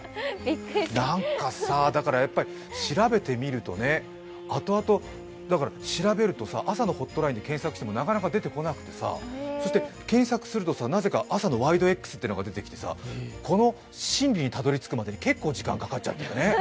なんかさ、だからやっぱり調べてみると、あとあと「朝のホットライン」で検索してもなかなか出てこなくてさ、検索するとなぜか「朝のワイドＸ」が出てきて、この真理にたどりつくまで時間かかっちゃったよね。